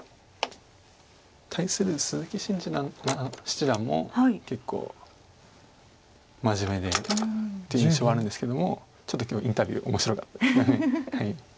対する鈴木伸二七段も結構真面目でという印象あるんですけどもちょっと今日インタビュー面白かったです。